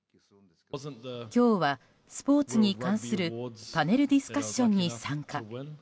今日はスポーツに関するパネルディスカッションに参加。